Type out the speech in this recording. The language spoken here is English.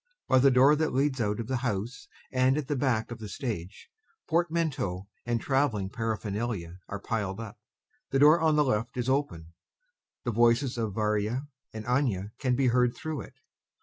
By the door that leads out of the house and at the back of the stage, portmanteaux and travelling paraphernalia are piled up. The door on the left is open; the voices of VARYA and ANYA can be heard through it.